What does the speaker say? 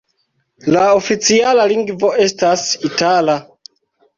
La oficiala lingvo estas itala.